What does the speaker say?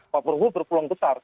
pak probo berpeluang besar